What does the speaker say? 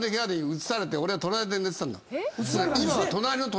俺は隣で寝てたんだ。